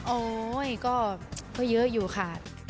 โอ๊ยก็เยอะอยู่ค่ะ